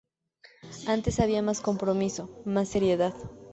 Antes había más compromiso, más seriedad.